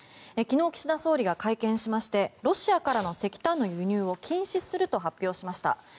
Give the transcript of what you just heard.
昨日、岸田総理が会見しましてロシアからの石炭の輸入を禁止すると発表しました。